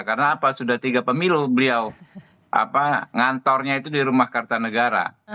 karena apa sudah tiga pemilu beliau apa ngantornya itu di rumah kartanegara